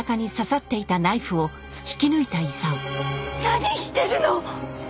何してるの！？